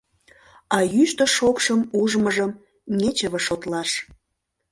А йӱштӧ-шокшым ужмыжым нечыве шотлаш».